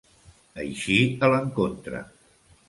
Eixir a l'encontre.